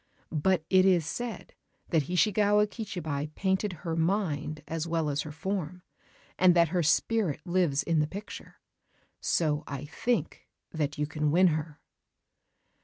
But it is said that Hishigawa Kichibei painted her mind as well as her form, and that her spirit lives in the picture. So I think that you can win her."